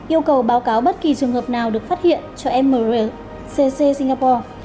yêu cầu báo cáo bất kỳ trường hợp nào được phát hiện cho mrcc singapore